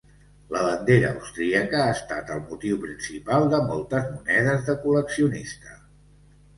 La bandera austríaca ha estat el motiu principal de moltes monedes de col·leccionista.